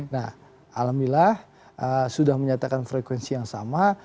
nah alhamdulillah sudah menyatakan frekuensi yang sama